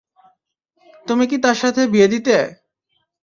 তুমি কি তার সাথে বিয়ে দিতে?